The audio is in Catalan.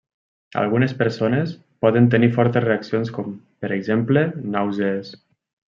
Algunes persones poden tenir fortes reaccions com, per exemple, nàusees.